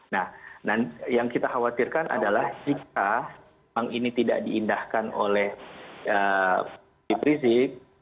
nah yang kita khawatirkan adalah jika memang ini tidak diindahkan oleh rizik